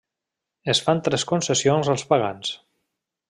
Es fan tres concessions als pagans.